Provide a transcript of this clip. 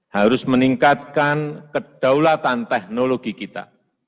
harus meningkatkan kedaulatan teknologi kita